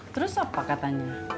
terus apa katanya